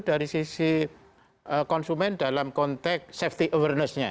dari sisi konsumen dalam konteks safety awareness nya